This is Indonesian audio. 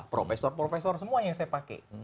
profesor profesor semua yang saya pakai